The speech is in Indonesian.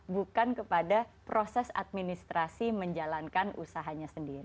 bukan kepada proses administrasi menjalankan usahanya sendiri